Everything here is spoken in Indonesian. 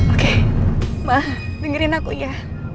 oke mah dengerin aku ya